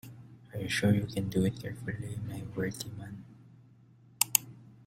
Are you sure you can do it carefully, my worthy man?